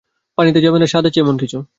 পানিতে হবে না, স্বাদ আছে এমন কিছু।